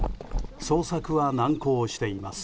捜索は難航しています。